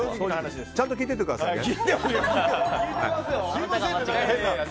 ちゃんと聞いててくださいね。